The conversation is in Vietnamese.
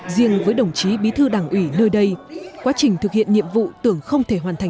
riêng với đồng chí bí thư đảng ủy nơi đây quá trình thực hiện nhiệm vụ tưởng không thể hoàn thành